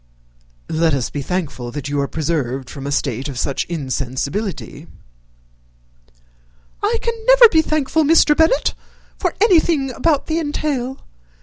"Let us be thankful that you are preserved from a state of such insensibility." "I never can be thankful, Mr. Bennet, for anything about the entail.